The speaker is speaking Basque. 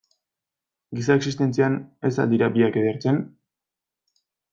Giza existentzian, ez al dira biak edertzen?